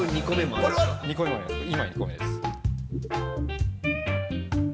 今２個目です。